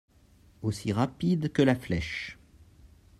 Aussi rapide que la flèche.